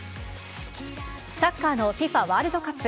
サッカーのＦＩＦＡワールドカップ。